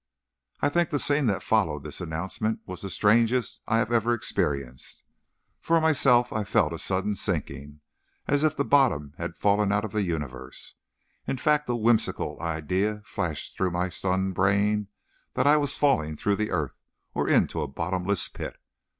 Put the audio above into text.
I think the scene that followed this announcement was the strangest I have ever experienced. For myself, I felt a sudden sinking, as if the bottom had fallen out of the universe. In fact, a whimsical idea flashed through my stunned brain that I was "falling through the earth," or into a bottomless pit.